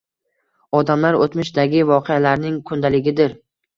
Odamlar o'tmishdagi voqealarning kundaligidir.